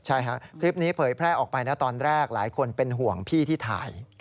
ใช่ครับคลิปนี้เผยแพร่ออกไปนะตอนแรกหลายคนเป็นห่วงพี่ที่ถ่าย